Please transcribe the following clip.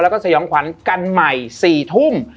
แล้วก็สยองขวัญกันใหม่๔ทุ่ม